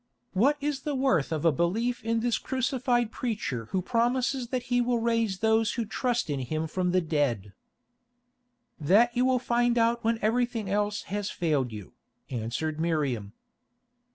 What is the worth of a belief in this crucified Preacher who promises that He will raise those who trust in Him from the dead?" "That you will find out when everything else has failed you," answered Miriam.